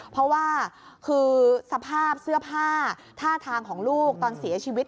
เพราะว่าคือสภาพเสื้อผ้าท่าทางของลูกตอนเสียชีวิต